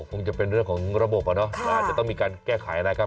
คงจะเป็นเรื่องของระบบอะเนาะอาจจะต้องมีการแก้ไขนะครับ